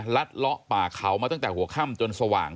เลาะป่าเขามาตั้งแต่หัวค่ำจนสว่าง